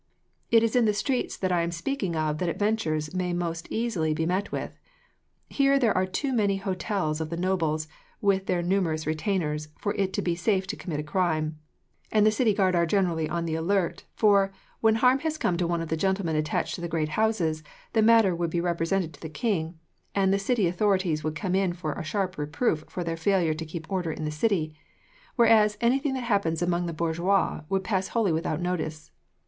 "It is in the streets that I am speaking of that adventures may most easily be met with. Here there are too many hotels of the nobles, with their numerous retainers, for it to be safe to commit crime, and the city guard are generally on the alert, for, were harm to come to one of the gentlemen attached to the great houses, the matter would be represented to the king, and the city authorities would come in for a sharp reproof for their failure to keep order in the city; whereas, anything that happens among the bourgeois would pass wholly without notice.